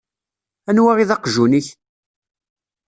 Anwa i d aqjun-ik?